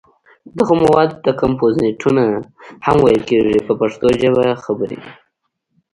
دغو موادو ته کمپوزېټونه هم ویل کېږي په پښتو ژبه خبرې.